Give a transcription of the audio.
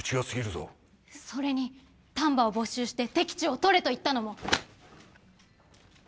それに丹波を没収して敵地を取れと言ったのも。